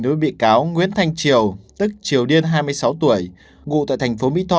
đối bị cáo nguyễn thanh triều tức triều điên hai mươi sáu tuổi ngụ tại thành phố mỹ tho